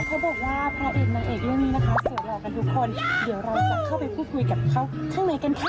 เขาบอกว่าพระเอกนางเอกเรื่องนี้นะคะสวยหล่อกันทุกคนเดี๋ยวเราจะเข้าไปพูดคุยกับเขาข้างในกันค่ะ